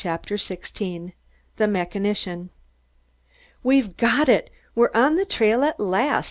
CHAPTER SIXTEEN THE MECHANICIAN "We've got it! We're on the trail at last!"